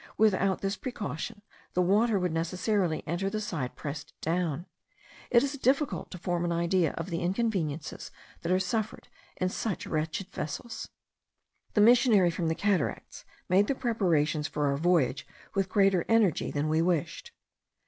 Without this precaution the water would necessarily enter the side pressed down. It is difficult to form an idea of the inconveniences that are suffered in such wretched vessels. The missionary from the cataracts made the preparations for our voyage with greater energy than we wished.